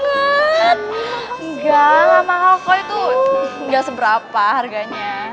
enggak nggak mahal kok itu nggak seberapa harganya